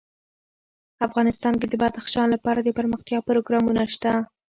افغانستان کې د بدخشان لپاره دپرمختیا پروګرامونه شته.